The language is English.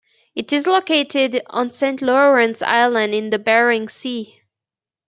It is located on Saint Lawrence Island in the Bering Sea.